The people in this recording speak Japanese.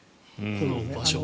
この場所。